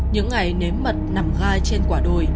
những ngày nếm mật nằm gai trên quả đồi